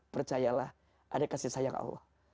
percayalah ada kasih sayang allah